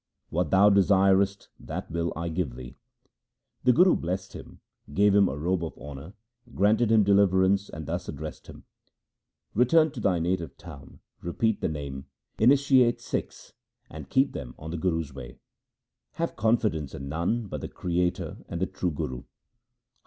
What thou desirest, that will I give thee.' The Guru blessed him, gave him a robe of honour, granted him deliverance, and thus addressed him :' Return to thy native town, repeat the Name, initiate Sikhs, and keep them on the Guru's way. Have confidence in none but the Creator and the true Guru.'